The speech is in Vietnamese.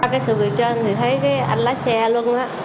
cái sự việc trên thì thấy anh lái xe luân